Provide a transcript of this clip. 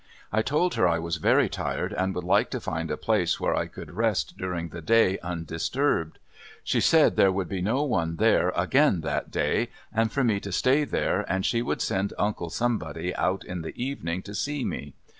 I told her I was very tired, and would like to find a place where I could rest during the day undisturbed. She said there would be no one there again that day, and for me to stay there and she would send uncle somebody out in the evening to see me.